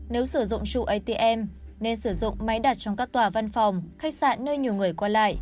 nếu sử dụng trụ atm nên sử dụng máy đặt trong các tòa văn phòng khách sạn nơi nhiều người qua lại